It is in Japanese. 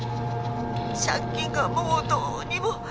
☎借金がもうどうにも。